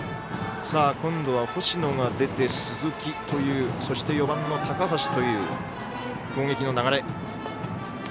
今度は星野が出て、鈴木というそして、４番の高橋という攻撃の流れ。